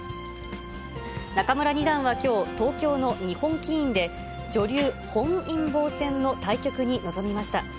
仲邑二段はきょう、東京の日本棋院で、女流本因坊戦の対局に臨みました。